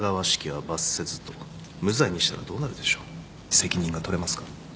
責任が取れますか？